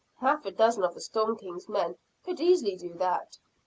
Half a dozen of the Storm King's men could easily do that.